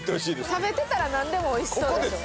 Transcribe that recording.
食べてたらなんでも美味しそうでしょ。